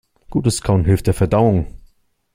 Gutes Kauen hilft der Verdauung.